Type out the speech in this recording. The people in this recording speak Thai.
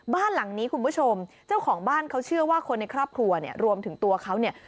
บ้านหลังนี้คุณผู้ชมเจ้าของบ้านเขาเชื่อว่าคนในครอบครัวเนี่ยรวมถึงตัวเขาเนี่ย